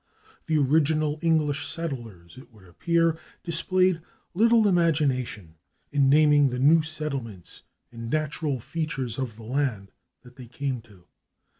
The original English settlers, it would appear, displayed little imagination in naming the new settlements and natural features [Pg287] of the land that they came to.